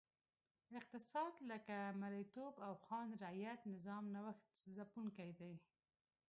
اقتصاد لکه مریتوب او خان رعیت نظام نوښت ځپونکی دی.